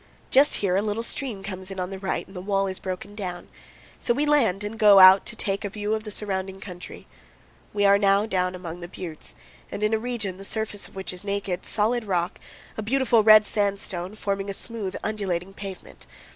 Just here a little stream comes in on the right and the wall is broken down; so we land and go out to take powell canyons 136.jpg THE BUTTE OF THE CEOSS. a view of the surrounding country. We are now down among the buttes, and in a region the surface of which is naked, solid rock a beautiful red sandstone, forming a smooth, undulating pavement.